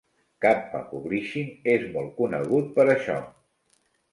Kappa Publishing és molt conegut per això.